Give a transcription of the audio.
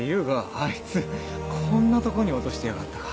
あいつこんなとこに落としてやがったか。